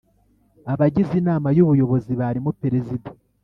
Abagize Inama y Ubuyobozi barimo Perezida